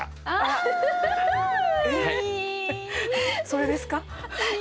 それですか？